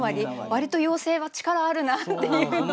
割と妖精は力あるなっていうのを。